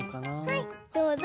はいどうぞ。